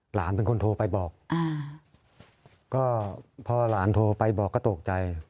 หลานเป็นคนโทรไปบอกก็พอหลานโทรไปบอกก็ตกใจ